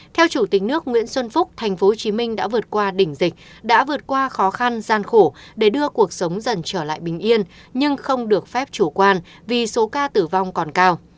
theo chủ tịch nước nguyễn xuân phúc tp hcm đã vượt qua đỉnh dịch đã vượt qua khó khăn gian khổ để đưa cuộc sống dần trở lại bình yên nhưng không được phép chủ quan vì số ca tử vong còn cao